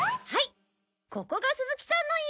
ここが鈴木さんの家です！